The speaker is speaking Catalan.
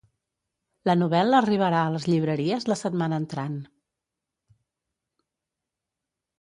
La novel·la arribarà a les llibreries la setmana entrant.